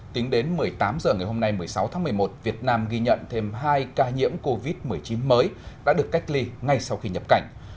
tính đến một mươi tám h ngày hôm nay một mươi sáu tháng một mươi một việt nam ghi nhận thêm hai ca nhiễm covid một mươi chín mới đã được cách ly ngay sau khi nhập cảnh